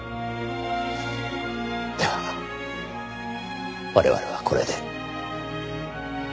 では我々はこれで。